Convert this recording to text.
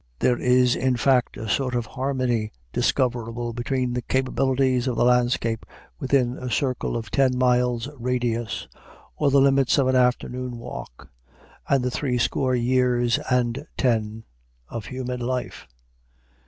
There is in fact a sort of harmony discoverable between the capabilities of the landscape within a circle of ten miles' radius, or the limits of an afternoon walk, and the threescore years and ten of human life.